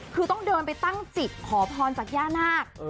คือต้องเดินไปตั้งจิตขอพรจากย่านาค